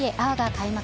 開幕。